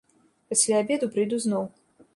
Пасля абеду прыйду зноў.